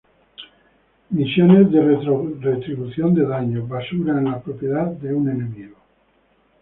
Misiones de Retribución de Daño: Basura en la propiedad de un enemigo.